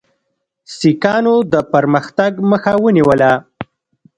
سیکهانو د پرمختګ مخه ونیوله.